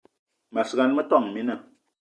Mas gan, metόn mina